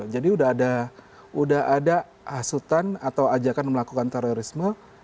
jadi sudah ada hasutan atau ajakan melakukan terorisme